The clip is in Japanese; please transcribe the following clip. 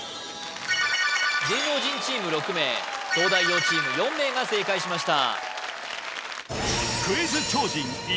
芸能人チーム６名東大王チーム４名が正解しました